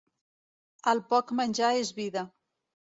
El poc menjar és vida.